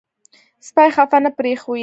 سپي خفه نه پرېښوئ.